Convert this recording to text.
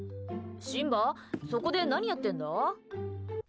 シンバそこで何やってんだ？